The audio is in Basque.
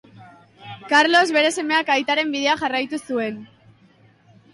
Karlos bere semeak aitaren bidea jarraitu zuen.